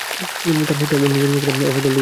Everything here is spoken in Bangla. তারপর নিমজ্জিত করলাম অপর দলটিকে।